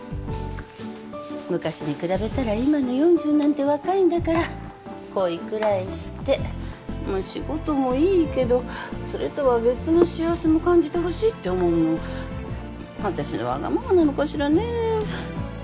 昔に比べたら今の４０なんて若いんだから恋くらいして仕事もいいけどそれとは別の幸せも感じてほしいって思うの私のわがままなのかしらね